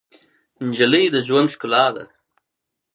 نجلۍ د ژوند ښکلا ده.